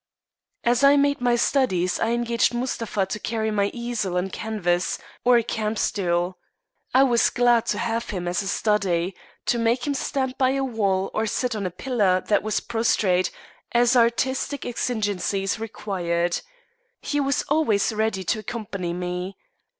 As I made my studies I engaged Mustapha to carry my easel and canvas, or camp stool. I was glad to have him as a study, to make him stand by a wall or sit on a pillar that was prostrate, as artistic exigencies required. He was always ready to accompany me.